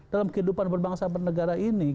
dalam kehidupan berbangsa bernegara ini